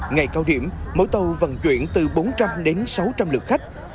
ngày cao điểm mỗi tàu vận chuyển từ bốn trăm linh đến sáu trăm linh lượt khách